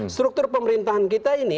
struktur pemerintahan kita ini